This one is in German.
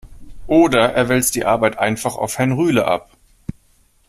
Oder er wälzt die Arbeit einfach auf Herrn Rühle ab.